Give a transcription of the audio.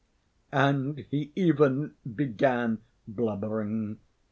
And he even began blubbering.